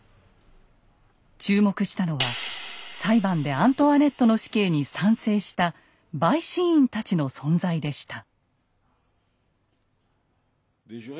注目したのは裁判でアントワネットの死刑に賛成した陪審員たちの存在でした。